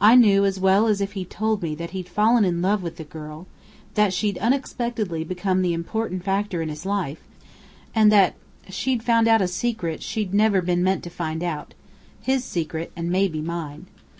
I knew as well as if he'd told me that he'd fallen in love with the girl, that she'd unexpectedly become the important factor in his life, and that she'd found out a secret she'd never been meant to find out: his secret, and maybe mine.